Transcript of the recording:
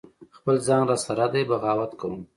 خپل ځان را سره دی بغاوت کوم